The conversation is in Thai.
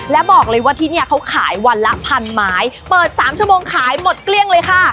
และบอกเลยว่าที่นี่เขาขายวันละพันไม้เปิด๓ชั่วโมงขายหมดเกลี้ยงเลยค่ะ